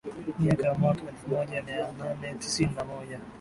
miaka ya mwaka elfu moja mia nane tisini na moja